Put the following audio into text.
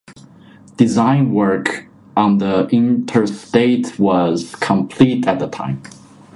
Design work on the interstate was completed at this time.